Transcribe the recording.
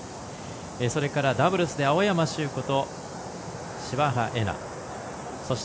それからダブルスで青山修子と柴原瑛菜。